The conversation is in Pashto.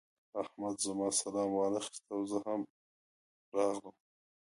احمد زما سلام وانخيست او زه هم راغلم.